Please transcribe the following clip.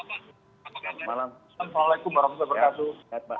assalamualaikum warahmatullahi wabarakatuh